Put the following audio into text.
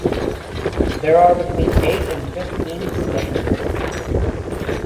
There are between eight and fifteen stamens.